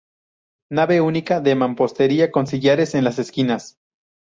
Nave única, de mampostería con sillares en las esquinas.